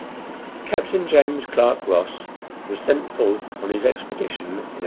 "Captain James Clarke Ross was sent forth on his expedition in 1839.